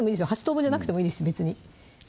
８等分じゃなくてもいいです